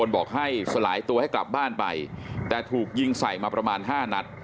บอกให้สลายตัวให้กลับบ้านไปแต่ถูกยิงใส่มาประมาณ๕นัด